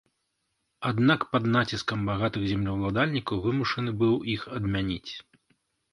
Аднак пад націскам багатых землеўладальнікаў вымушаны быў іх адмяніць.